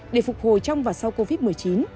để phục hồi trong và sau covid một mươi chín